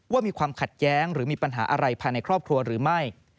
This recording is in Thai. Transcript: มีความขัดแย้งหรือมีปัญหาอะไรภายในครอบครัวหรือไม่